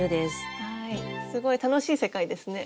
すごい楽しい世界ですね。